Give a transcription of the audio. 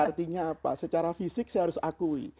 artinya apa secara fisik saya harus akui